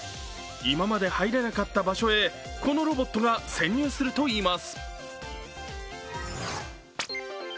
今まで入れなかった場所へこのロボットが潜入するといいます。